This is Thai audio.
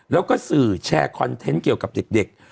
แล้วก็สื่อแชร์คอนเทนต์เกี่ยวกับเด็ก